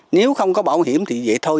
nếu không có bảo hiểm thì vậy thôi